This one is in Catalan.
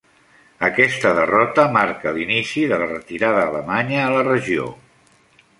Aquesta derrota marcà l'inici de la retirada alemanya a la regió.